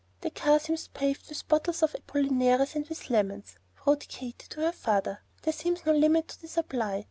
"The car seems paved with bottles of Apollinaris and with lemons," wrote Katy to her father. "There seems no limit to the supply.